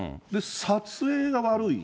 撮影が悪い？